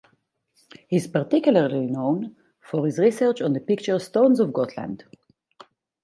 He is particularly known for his research on the picture stones of Gotland.